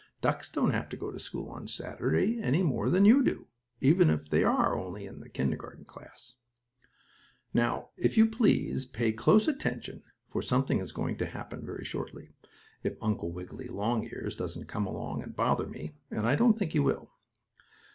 Ducks don't have to go to school on Saturday any more than you do, even if they are only in the kindergarten class. Now, if you please, pay close attention, for something is going to happen very shortly, if Uncle Wiggily Longears doesn't come along and bother me, and I don't believe he will.